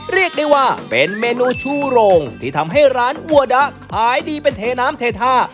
เรียกได้ว่าเป็นเมนูชูโรงที่ทำให้ร้านวัวดะขายดีเป็นเทน้ำเทท่า